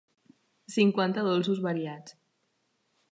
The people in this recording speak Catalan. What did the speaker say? Cinquanta dolços variats.